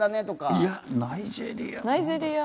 いやナイジェリア。